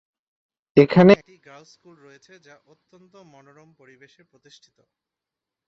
এখানে একটি girls school রয়েছে যা অত্যন্ত মনোরম পরিবেশে প্রতিষ্ঠিত।